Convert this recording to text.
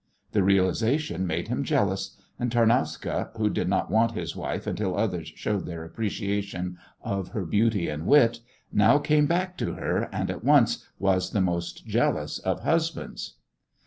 The realization made him jealous, and Tarnowska, who did not want his wife until others showed their appreciation of her beauty and wit, now came back to her, and at once was the most jealous of husbands.